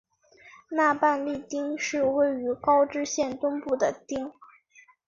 奈半利町是位于高知县东部的町。